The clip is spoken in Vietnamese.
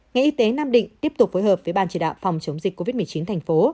ngành y tế nam định tiếp tục phối hợp với ban chỉ đạo phòng chống dịch covid một mươi chín thành phố